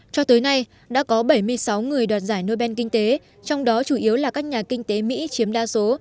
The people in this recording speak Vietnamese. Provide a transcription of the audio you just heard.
cho tới nay đã có bảy mươi sáu người đoạt giải nobel kinh tế trong đó chủ yếu là các nhà kinh tế mỹ chiếm đa số